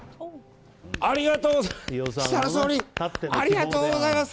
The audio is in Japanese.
ありがとうございます！